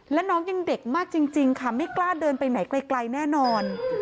แล้วน้องยังเด็กมากจริงค่ะไม่กล้าเดินไปไหนไกลแน่นอน